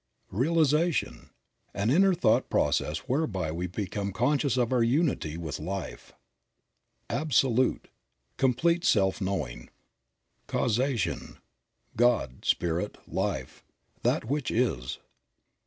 / Realization. — An inner thought process whereby we become v conscious of our unity with life. Absolute. — Complete self knowing. J 78 Creative Mind. Causation. — God, Spirit, Life, That which is.